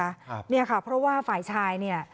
คุณผู้ชมค่ะเนี่ยค่ะเพราะว่าฝ่ายชายเนี่ย